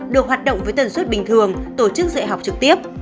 được hoạt động với tần suất bình thường tổ chức dạy học trực tiếp